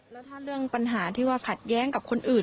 แล้วถ้าเรื่องปัญหาที่ว่าขัดแย้งกับคนอื่น